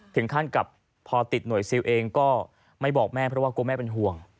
ถึงขั้นกับพอติดหน่วยซิลเองก็ไม่บอกแม่เพราะว่ากลัวแม่เป็นห่วง